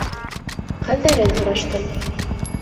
Хәлдәрен һораштым.